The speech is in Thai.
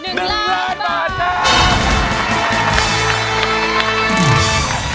มันก็มี๑ล้านบาทนะคะ